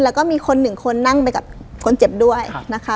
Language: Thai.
แล้วก็มีคนหนึ่งคนนั่งไปกับคนเจ็บด้วยนะคะ